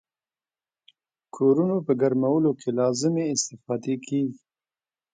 کورونو په ګرمولو کې لازمې استفادې کیږي.